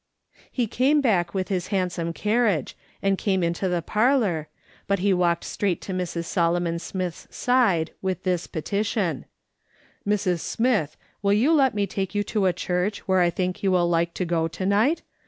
He came back with his handsome carriage, and came into the parlour, but he walked straight to Mrs. Solomon Smith's side, with tliis petition :" Mrs. Smith, will you let me take you to a church where I think you will like to go to night